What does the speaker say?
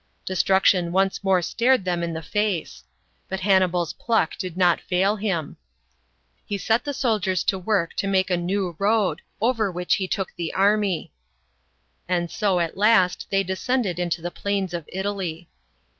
Destruction once more stared them in the face. But Hannibal's pluck did not fail him. He set the soldiers to work to make a new road, over which he took the army. And so, at last they descended into the plains of Italy.